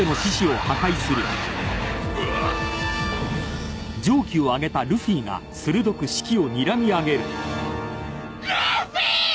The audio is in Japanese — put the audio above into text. うあっルフィ！